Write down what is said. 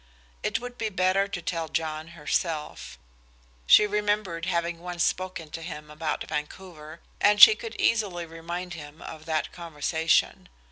It would be better to tell John herself; she remembered having once spoken to him about Vancouver, and she could easily remind him of the conversation.